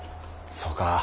そうか。